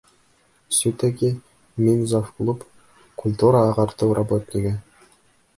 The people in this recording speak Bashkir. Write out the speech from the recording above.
Сүтәки, мин завклуб, культура-ағартыу работнигы.